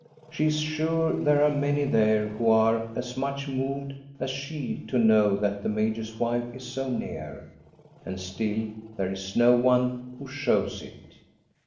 She is sure there are many there who are as much moved as she to know that the major's wife is so near, and still there is no one who shows it.